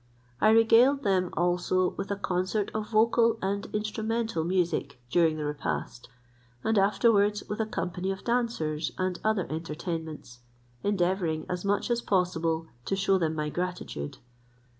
I regaled them also with a concert of vocal and instrumental music during the repast, and afterwards with a company of dancers, and other entertainments, endeavouring as much as possible to shew them my gratitude.